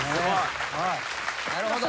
なるほど。